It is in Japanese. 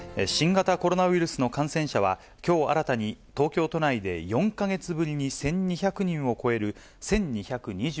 新型コロナウイルスの感染者は、きょう新たに、東京都内で４か月ぶりに１２００人を超える１２２４人。